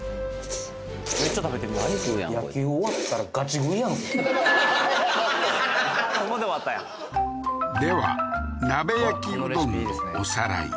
めっちゃ食べてるバリ食うやんこいつここで終わったんやでは鍋焼きうどんのおさらい